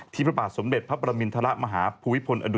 ที่บรรสมเด็จพระปรมิณฑระมหาภูวิพลอดุลยาเดส